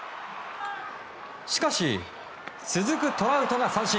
しかし、続くトラウトが三振。